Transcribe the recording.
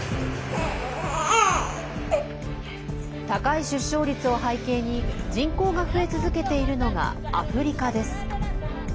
高い出生率を背景に、人口が増え続けているのがアフリカです。